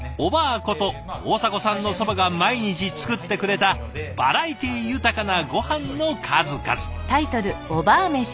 こと大迫さんの祖母が毎日作ってくれたバラエティー豊かなごはんの数々。